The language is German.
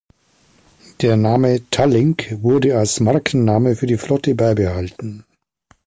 Der Name „Tallink“ wurde als Markenname für die Flotte beibehalten.